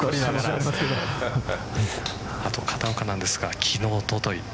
片岡なんですが昨日、おととい